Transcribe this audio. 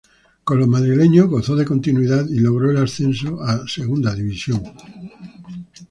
Con los madrileños gozó de continuidad y logró el ascenso a Segunda División.